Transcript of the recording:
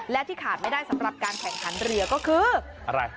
และที่ขาดไม่ได้สำหรับการแข่งขันเรือก็คืออะไร